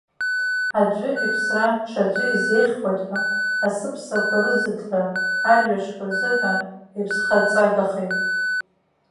Аӡәы иԥсра ҽаӡәы изеиӷьхоит ҳәа, асыԥсақәа рыӡыҭра, арҩашқәа рзыҳәан иԥсхаҵагахеит.